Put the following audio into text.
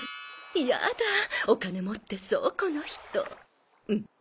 いやだお金持ってそうこの人んっ？